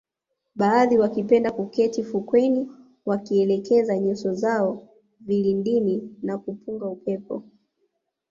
Baadhi wakipenda kuketi fukweni wakielekeza nyuso zao vilindini na kupunga upepo